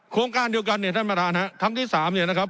โครงการเดียวกันเนี่ยท่านประธานฮะครั้งที่สามเนี่ยนะครับ